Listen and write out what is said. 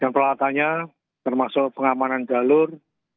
dan perlatannya termasuk pengamanan jalur